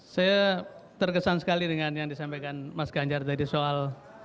saya terkesan sekali dengan yang disampaikan mas ganjar tadi soal